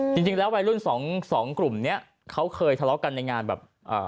จริงแล้ววัยรุ่น๒กลุ่มนี้เขาเคยทะเลาะกันในงานแบบ